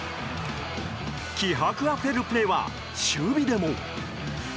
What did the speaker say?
気迫あふれるプレーは守備でも。